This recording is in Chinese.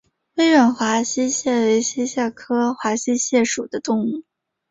威远华溪蟹为溪蟹科华溪蟹属的动物。